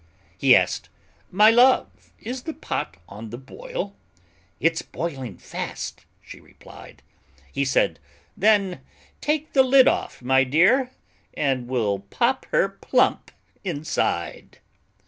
He asked, "My love, is the pot on the boil?" "It's boiling fast," she replied. He said, "Then take the lid off, my dear, And we'll pop her plump inside!"